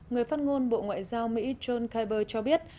người phát ngôn bộ ngoại giao mỹ john kyber cho biết